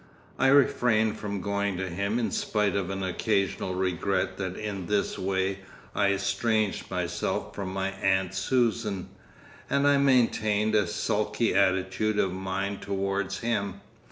I refrained from going to him in spite of an occasional regret that in this way I estranged myself from my aunt Susan, and I maintained a sulky attitude of mind towards him.